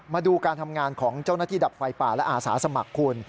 มาดูการทำงานของเจ้าหน้าที่ดับไฟป่าและอาสาสมัครคุณ